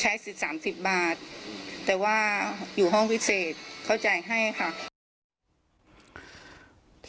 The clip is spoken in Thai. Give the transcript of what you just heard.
สิบสามสิบบาทแต่ว่าอยู่ห้องพิเศษเขาจ่ายให้ค่ะ